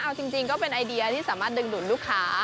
เอาจริงก็เป็นไอเดียที่สามารถดึงดูดลูกค้า